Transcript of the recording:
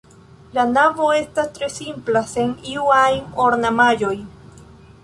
La navo estas tre simpla sen iu ajn ornamaĵoj.